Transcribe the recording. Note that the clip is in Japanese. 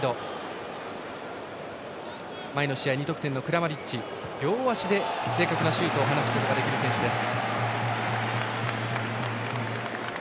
前の試合２得点のクラマリッチは両足で正確なシュートを放つことができる選手です。